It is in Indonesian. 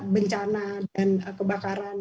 bencana dan kebakaran